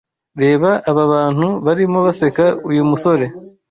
REBA aba bantu barimo baseka uyu musore.